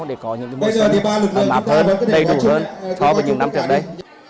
để có những mùa xuân mạp hơn đầy đủ hơn cho những năm trước đây